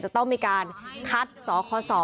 จะต้องมีการคัดสคศ